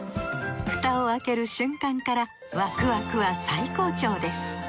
蓋を開ける瞬間からわくわくは最高潮です